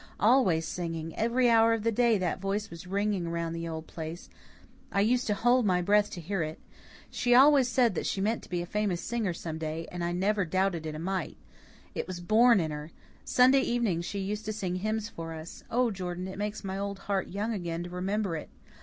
Always singing, every hour of the day that voice was ringing round the old place. I used to hold my breath to hear it. She always said that she meant to be a famous singer some day, and I never doubted it a mite. It was born in her. Sunday evening she used to sing hymns for us. Oh, Jordan, it makes my old heart young again to remember it.